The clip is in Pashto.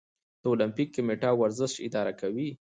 د المپیک کمیټه ورزش اداره کوي